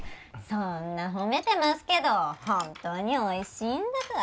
そんな褒めてますけど本当においしいんだか。